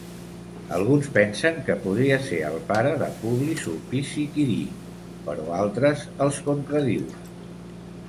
Alguns pensen que podria ser el pare de Publi Sulpici Quirí, però altres els contradiuen.